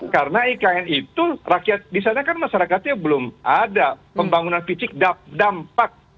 karena ikn itu rakyat di sana kan masyarakatnya belum ada pembangunan fisik dampak